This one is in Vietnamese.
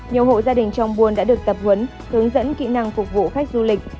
nhiều hộ gia đình trong buôn đã được tập huấn hướng dẫn kỹ năng phục vụ khách du lịch